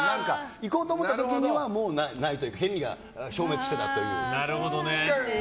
行こうと思った時にはもうないというか権利が消滅してたという。